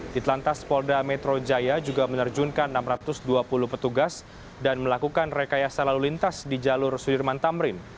di telantas polda metro jaya juga menerjunkan enam ratus dua puluh petugas dan melakukan rekayasa lalu lintas di jalur sudirman tamrin